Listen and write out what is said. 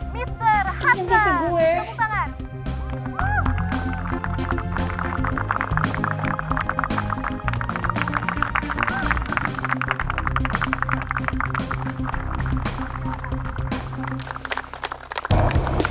mr hasan temukan tangan